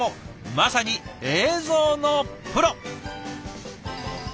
まさに映像のプロ。